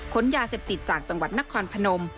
ยาเสพติดจากจังหวัดนครพนม